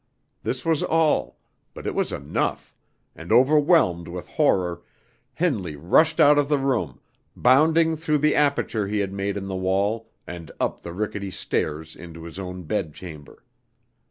This was all, but it was enough; and overwhelmed with horror, Henley rushed out of the room, bounding through the aperture he had made in the wall, and up the rickety stairs into his own bed chamber.